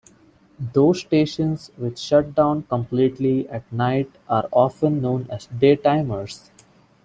Those stations which shut down completely at night are often known as "daytimers".